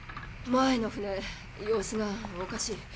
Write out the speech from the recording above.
前の船様子がおかしい。